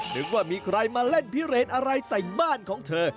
นึกว่ามีใครมาเล่นพิเรนอะไรใส่บ้านของเธอ